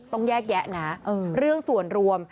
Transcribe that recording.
ต้องแยกแยะนะเรื่องส่วนรวม